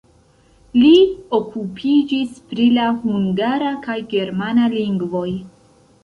Li okupiĝis pri la hungara kaj germana lingvoj.